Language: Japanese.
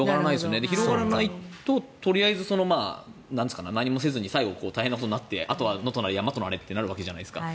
広がってないととりあえず何もせずに最後大変なことになってあとは野となれ山となれとなるわけじゃないですか。